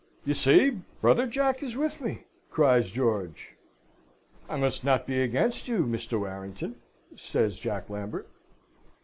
"You see brother Jack is with me!" cries George. "I must not be against you, Mr. Warrington," says Jack Lambert.